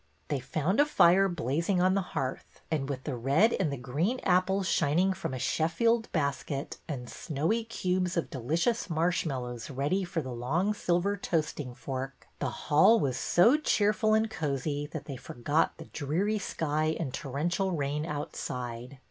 They found a fire blazing on the hearth, and with the red and the green apples shining from a Sheffield basket, and snowy cubes of delicious marshmallows ready for the long silver toasting fork, the hall was so cheerful and cozy that they forgot the dreary sky and torrential rain outside.